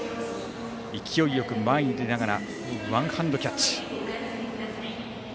勢いよく前に出ながらワンハンドキャッチ。